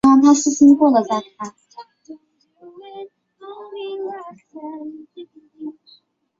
这一局面持续了近两个世纪。